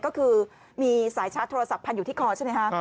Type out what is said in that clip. ก็คือมีสายชาร์จโทรศัพท์พันอยู่ที่คอใช่ไหมคะ